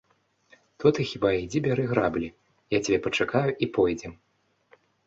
То ты хіба ідзі бяры граблі, я цябе пачакаю і пойдзем.